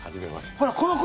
ほらこの声！